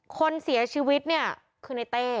คนเสียชีวิตเนี่ยคือในเต้